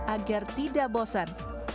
agar tidak bosan